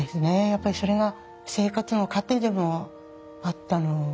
やっぱりそれが生活の糧でもあったので。